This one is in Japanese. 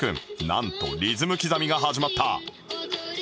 なんとリズム刻みが始まった